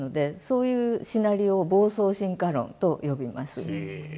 そういうシナリオを暴走進化論と呼びます。